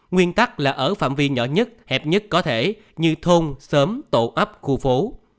nguyên tắc là ở phạm vi nhỏ nhất hẹp nhất có thể như thôn xóm tổ ấp khu phố